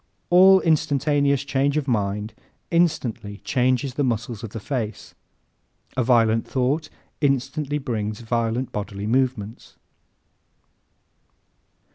An instantaneous change of mind instantly changes the muscles of the face. A violent thought instantly brings violent bodily movements.